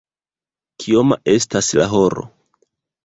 Kioma estas la horo?